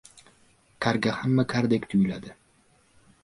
• Karga hamma kardek tuyuladi.